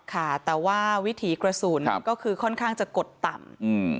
ค่ะแต่ว่าวิถีกระสุนก็คือค่อนข้างจะกดต่ำ